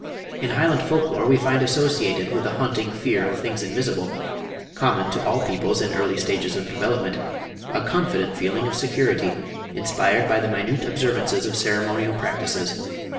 In Highland folklore we find associated with the haunting "fear of things invisible," common to all peoples in early stages of development, a confident feeling of security inspired by the minute observances of ceremonial practices.